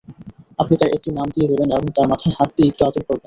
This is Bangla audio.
আপনি তার একটি নাম দিয়ে দেবেন এবং তার মাথায় হাত দিয়ে একটু আদর করবেন।